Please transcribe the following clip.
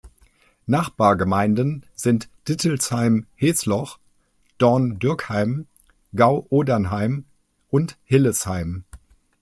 Nachbargemeinden sind Dittelsheim-Heßloch, Dorn-Dürkheim, Gau-Odernheim und Hillesheim.